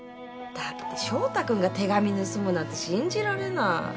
だって翔太君が手紙盗むなんて信じられない。